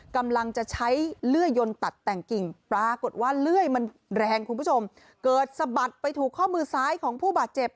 กำลังจะใช้เลื่อยยนตัดแต่งกิ่งปรากฏว่าเลื่อยมันแรงคุณผู้ชมเกิดสะบัดไปถูกข้อมือซ้ายของผู้บาดเจ็บ